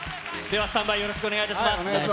では、スタンバイよろしくおお願いします。